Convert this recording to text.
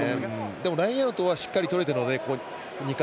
でも、ラインアウトはしっかりとれたので、ここ２回。